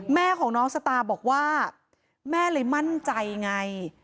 แม่ของน้องสตาบอกว่าแม่เลยมั่นใจไง